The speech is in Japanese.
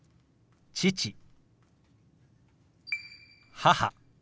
「母」。